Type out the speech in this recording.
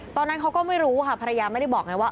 ตอนนั้นเขาก็ไม่รู้ค่ะภรรยาไม่ได้บอกไงว่า